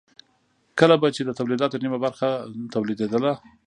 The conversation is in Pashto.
کله به چې د تولیداتو نیمه برخه تولیدېدله